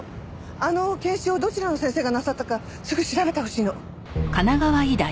あの検視をどちらの先生がなさったかすぐ調べてほしいの。